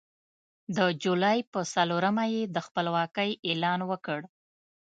د جولای په څلورمه یې د خپلواکۍ اعلان وکړ.